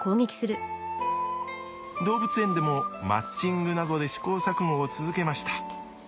動物園でもマッチングなどで試行錯誤を続けました。